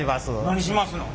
何しますの？